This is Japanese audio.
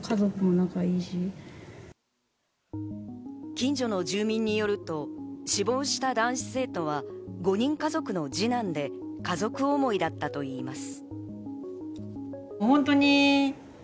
近所の住民によると、死亡した男子生徒は５人家族の二男で家族思いだったといいます。